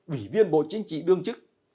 ủy viên bộ chính trị đương chức